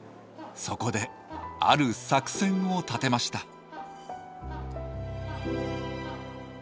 そこである作戦を立てました。